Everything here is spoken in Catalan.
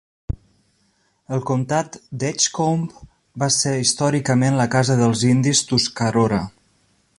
El comtat de Edgecombe va ser històricament la casa dels Indis Tuscarora.